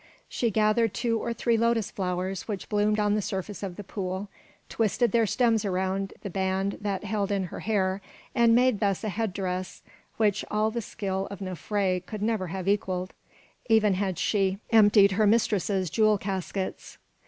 She gathered two or three lotus flowers which bloomed on the surface of the pool, twisted their stems around the band that held in her hair, and made thus a head dress which all the skill of Nofré could never have equalled, even had she emptied her mistress's jewel caskets.